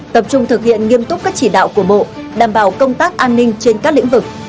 tập trung thực hiện nghiêm túc các chỉ đạo của bộ đảm bảo công tác an ninh trên các lĩnh vực